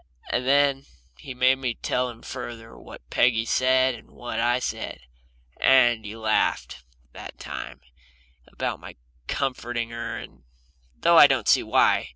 And then he made me tell him further what Peggy said and what I said, and he laughed that time about my comforting her, though I don't see why.